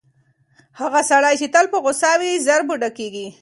هغه سړی چې تل په غوسه وي، ژر بوډا کیږي.